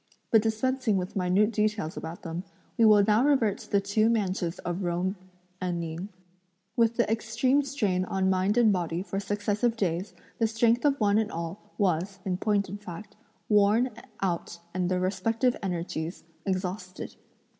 But dispensing with minute details about them, we will now revert to the two mansions of Jung and Ning. With the extreme strain on mind and body for successive days, the strength of one and all was, in point of fact, worn out and their respective energies exhausted.